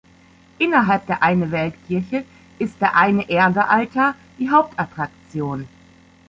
Innerhalb der Eine-Welt-Kirche ist der Eine-Erde-Altar die Hauptattraktion.